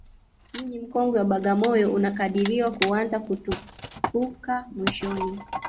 Mji mkongwe wa Bagamoyo unakadiriwa kuanza kutukuka mwishoni